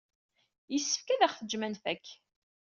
Yessefk ad aɣ-tejjem ad nfak.